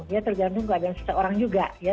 ya tergantung keadaan seseorang juga ya